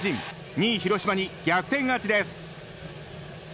２位、広島に逆転勝ちです。